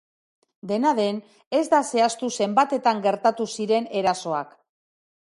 Dena den, ez da zehaztu zenbatetan gertatu ziren erasoak.